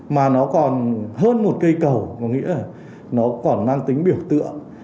mà nó còn hơn một cây cầu có nghĩa là nó còn mang tính biểu tượng